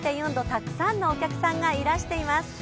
たくさんのお客さんが来ています。